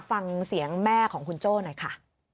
ฟังเสียงแม่ของคุณโจ้หน่อยค่ะ